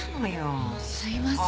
すいません。